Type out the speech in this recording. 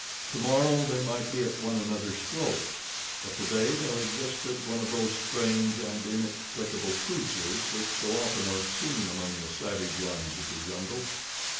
Tomorrow they might be at one another's throats, but today there existed one of those strange and inexplicable truces which so often are seen among the savage ones of the jungle.